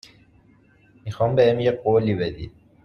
می خوام بهم یه قولی بدی